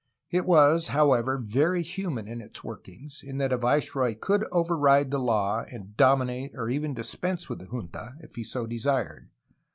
It was, however, very human in its workings, in that a viceroy could override the law and dominate or even dispense with the junta, if he so desired.